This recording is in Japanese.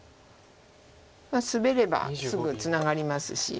スベればすぐツナがりますし。